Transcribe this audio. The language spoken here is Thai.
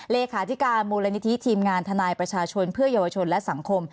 เลขาธิการมูลนิธิทีมงานทนายประชาชนเพื่อเยาวชนและสังคม